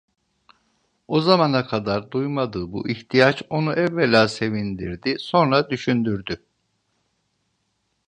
O zamana kadar duymadığı bu ihtiyaç onu evvela sevindirdi, sonra düşündürdü.